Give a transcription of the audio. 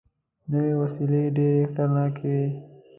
نوې وسلې ډېرې خطرناکې وي